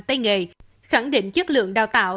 tài nghề khẳng định chất lượng đào tạo